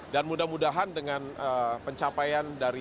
dan mudah mudahan dengan pencapaian dari